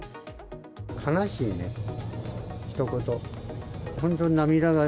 悲しいねのひと言。